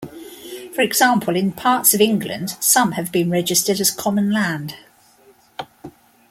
For example, in parts of England, some have been registered as common land.